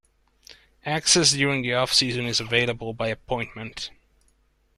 Access during the off-season is available by appointment.